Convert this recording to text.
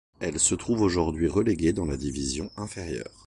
Elle se trouve aujourd'hui reléguée dans la division inférieure.